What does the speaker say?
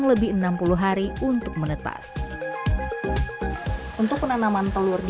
jadi ini harus dikawal